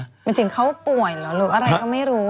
มันจริงเขาป่วยหรอหรืออะไรก็ไม่รู้